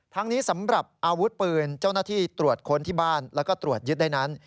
ทั้งนี้สำหรับอาวุธปืนเจ้าหน้าที่ตรวจค้นที่บ้านแล้วก็ตรวจยึดได้นั้น